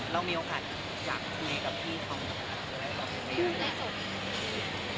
แล้วเมียกาลอยากคุยกับพี่แบบอะไร